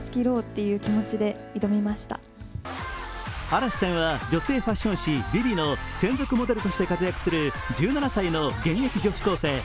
嵐さんは女性ファッション誌「ＶｉＶｉ」の専属モデルとして活躍する１７歳の現役女子高生。